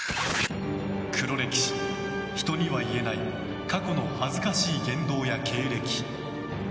黒歴史、人には言えない過去の恥ずかしい言動や経歴。